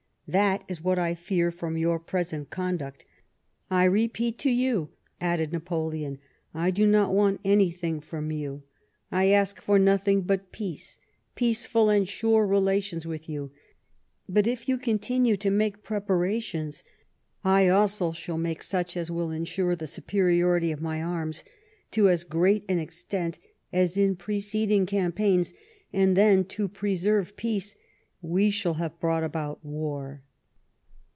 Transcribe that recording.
That is what I fear from your present conduct. I repeat to you," added Napoleon, " I do not want anything from you ; I ask for nothing but peace, peaceful and sure relations with you ; but if you continue to make preparations, I also shall make such as will ensure the superiority of my arms to as great an extent as in preceding campaigns, and then, to preserve peace, we shall have brought about war."